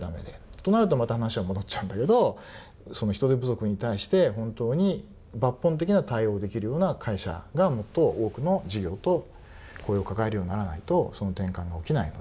となるとまた話は戻っちゃうんだけど人手不足に対して本当に抜本的な対応できるような会社がもっと多くの事業と雇用を抱えるようにならないとその転換が起きないので。